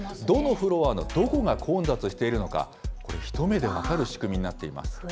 どのフロアのどこが混雑しているのか、一目で分かる仕組みになっています。